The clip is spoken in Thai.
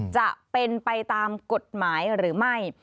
จะเป็นไปตามกฎหมายหรือไม่